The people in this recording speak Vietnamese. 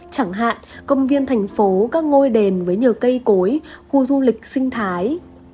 chẳng hạn công viên thành phố các ngôi đền với nhiều cây cối khu du lịch sinh thái